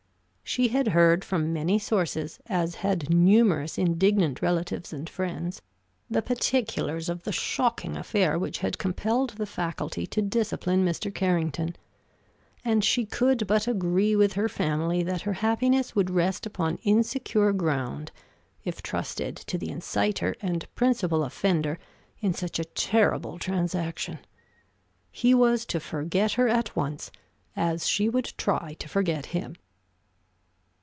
She had heard from many sources, as had numerous indignant relatives and friends, the particulars of the shocking affair which had compelled the Faculty to discipline Mr. Carrington; and she could but agree with her family that her happiness would rest upon insecure ground if trusted to the inciter and principal offender in such a terrible transaction. He was to forget her at once, as she would try to forget him.